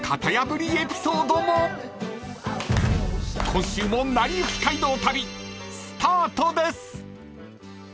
［今週も『なりゆき街道旅』スタートです］